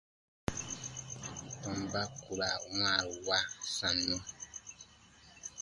Tɔmba ku ra wãaru wa sannu.